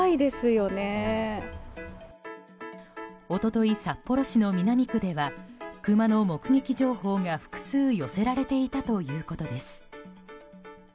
一昨日、札幌市の南区ではクマの目撃情報が複数寄せられていたということです。